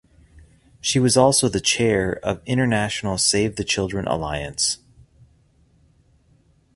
She was also the chair of International Save the Children Alliance.